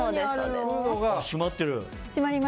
締まってる！